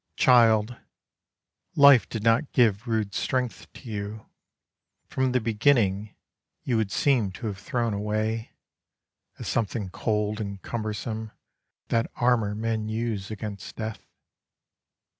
Child, life did not give rude strength to you; from the beginning, you would seem to have thrown away, As something cold and cumbersome, that armour men use against death.